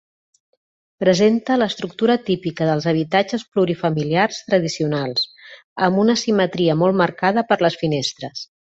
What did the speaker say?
Presenta l'estructura típica dels habitatges plurifamiliars tradicionals, amb una simetria molt marcada per les finestres.